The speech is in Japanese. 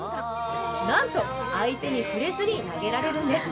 なんと相手に触れずに投げられるんです